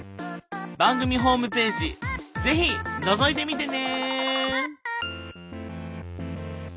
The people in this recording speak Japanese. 番組ホームページ是非のぞいてみてね。